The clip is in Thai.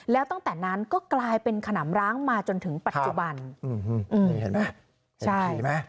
แล้วตั้งแต่นั้นก็กลายเป็นขนำร้างมาจนถึงปัจจุบัน